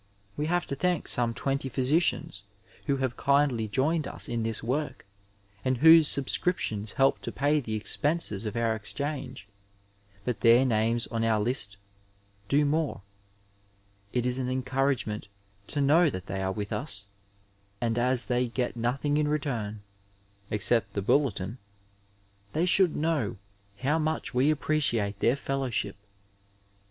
We have to thank some twenty phj^icians who have kindly joined us in this work and whose subscriptions help to pay the expenses of our exchange ; but their names on our list do more — ^it is an encouragement to know that they are with us, and as they get nothing in return (except the Bulletin) they should know how much we appreciate their fellowship.